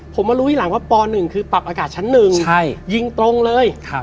ผมมารู้ทีหลังว่าป๑คือปรับอากาศชั้น๑ยิงตรงเลย